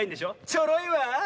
ちょろいわあ。